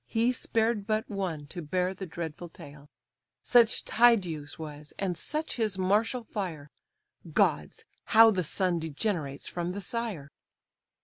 He spared but one to bear the dreadful tale, Such Tydeus was, and such his martial fire; Gods! how the son degenerates from the sire!"